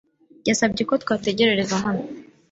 yasabye ko twategereza hano.